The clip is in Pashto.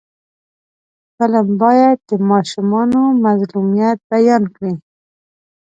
فلم باید د ماشومانو مظلومیت بیان کړي